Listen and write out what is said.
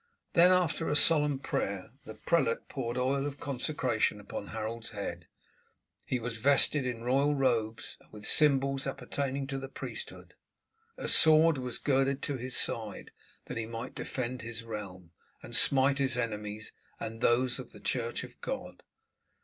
Then after a solemn prayer the prelate poured the oil of consecration upon Harold's head; he was vested in royal robes, and with symbols appertaining to the priesthood. A sword was girded to his side, that he might defend his realm, and smite his enemies and those of the church of God.